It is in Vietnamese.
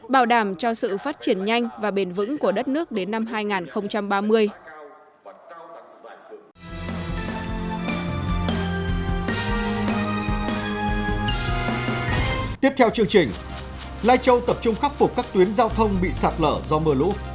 bảo đảm cho sự phát triển nhanh và bền vững của đất nước đến năm hai nghìn ba mươi